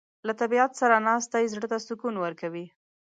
له طبیعت سره ناستې زړه ته سکون ورکوي.